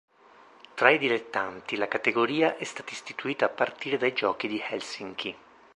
Tra i dilettanti, la categoria è stata istituita a partire dai giochi di Helsinki.